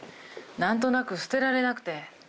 何となく捨てられなくて。